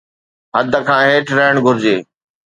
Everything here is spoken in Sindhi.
حد کان هيٺ رهڻ گهرجي